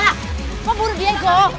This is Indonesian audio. kok membunuh diego